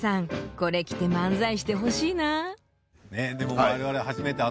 これ着て漫才してほしいなあ。